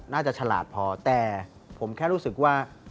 ฉลาดพอแต่ผมแค่รู้สึกว่า